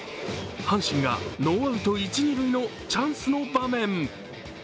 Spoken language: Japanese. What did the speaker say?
阪神がノーアウト一・二塁のチャンスの場面。